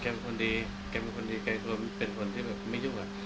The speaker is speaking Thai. แกเป็นคนดีแกเป็นคนที่ไม่ยุ่งกว่า